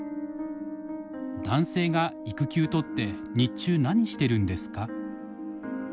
「男性が育休とって日中何してるんですか？」。